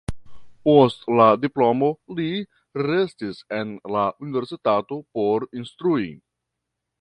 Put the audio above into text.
Post la diplomo li restis en la universitato por instrui.